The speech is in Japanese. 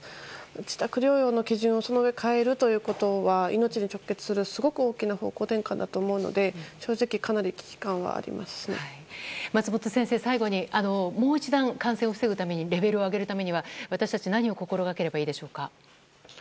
自宅療養の基準を変えるということは命に直結するすごく大きな方向転換だと思うので松本先生、最後にもう一段感染を防ぐためにレベルを上げるために私たちは何を心がければいいですか？